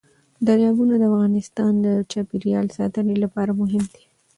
دریابونه د افغانستان د چاپیریال ساتنې لپاره مهم دي.